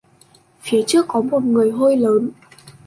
Phía trước có một người hôi lớn